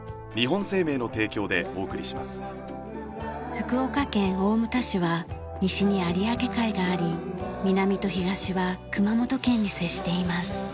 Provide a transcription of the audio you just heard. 福岡県大牟田市は西に有明海があり南と東は熊本県に接しています。